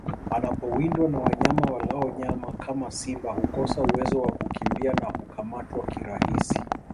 Anapowindwa na wanyama walao nyama kama simba hukosa uwezo wa kukimbia na hukamatwa kirahisi